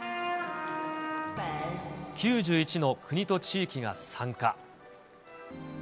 ９１の国と地域が参加。